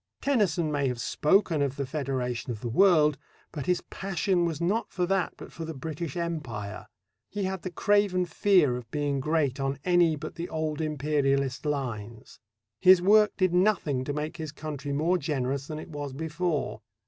Tennyson may have spoken of the federation of the world, but his passion was not for that but for the British Empire. He had the craven fear of being great on any but the old Imperialist lines. His work did nothing to make his country more generous than it was before.